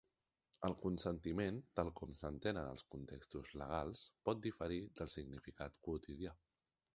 El consentiment, tal com s'entén en els contextos legals, pot diferir del significat quotidià.